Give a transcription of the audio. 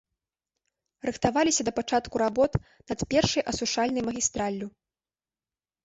Рыхтаваліся да пачатку работ над першай асушальнай магістраллю.